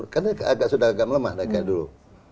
karena sudah agak melemah dari dulu